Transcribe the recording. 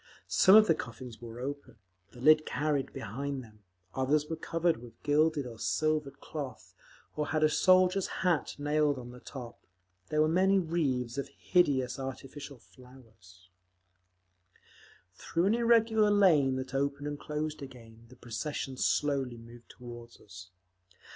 Some of the coffins were open, the lid carried behind them; others were covered with gilded or silvered cloth, or had a soldier's hat nailed on the top. There were many wreaths of hideous artificial flowers…. Through an irregular lane that opened and closed again the procession slowly moved toward us.